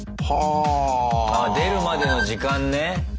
あ出るまでの時間ね。